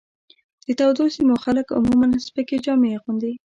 د تودو سیمو خلک عموماً سپکې جامې اغوندي.